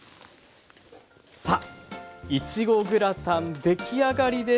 さあいちごグラタン出来上がりです。